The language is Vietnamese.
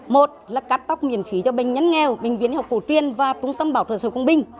một là cắt tóc miễn khí cho bệnh nhân nghèo bệnh viện học cổ truyền và trung tâm bảo trợ sở công binh